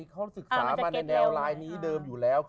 เขาศึกษามาในแนวลายนี้เดิมอยู่แล้ว